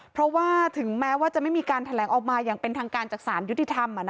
เพราะว่าถึงแม้ว่าจะไม่มีการแถลงออกมาอย่างเป็นทางการจากสารยุติธรรม